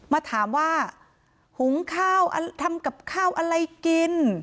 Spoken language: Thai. มาถามว่าหุงข้าวทำกับข้าวอะไรกิน